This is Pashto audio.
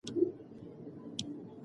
ایا ستا په ټولګي کې ارامي ده؟